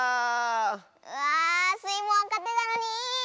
うわスイもわかってたのに！